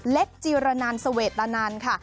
เล็กจิลลานันสเวตลานันค่ะ